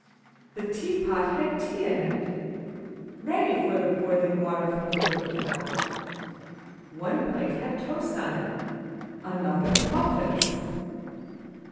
The tea pot had tea in it, ready for the boiling water from the little kettle; one plate had toast on it, another, muffins.